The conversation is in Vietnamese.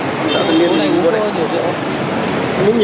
vùng tạ tầng nhiên thì vùng vùng này